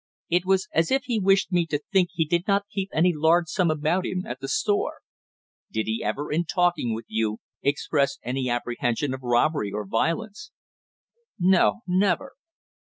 It was as if he wished me to think he did not keep any large sum about him at the store." "Did he ever, in talking with you, express any apprehension of robbery or violence?" "No, never."